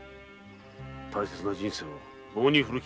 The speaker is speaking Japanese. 大切な人生を棒に振る気か。